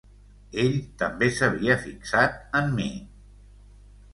Ell també s'havia fixat en mi...